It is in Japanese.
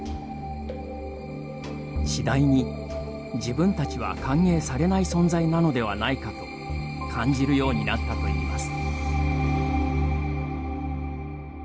次第に自分たちは歓迎されない存在なのではないかと感じるようになったといいます。